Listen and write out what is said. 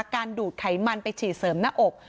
ดูดไขมันไปฉีดเสริมหน้าอก